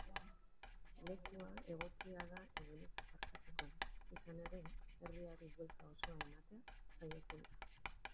Lekua egokia da egunez aparkatzeko, izan ere herriari buelta osoa ematea sahiesten da.